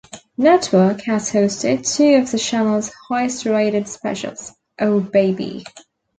Network, has hosted two of the channel's highest-rated specials: Oh Baby!